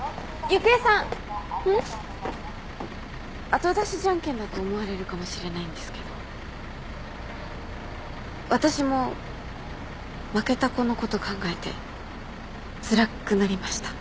後出しじゃんけんだと思われるかもしれないんですけど私も負けた子のこと考えてつらくなりました。